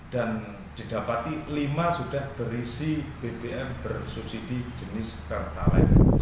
dan didapati lima sudah berisi bbm bersubsidi jenis per talen